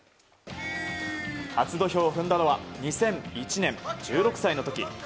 初土俵を踏んだのは２００１年、１６歳の時。